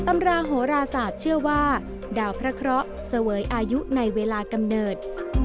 ำราโหราศาสตร์เชื่อว่าดาวพระเคราะห์เสวยอายุในเวลากำเนิด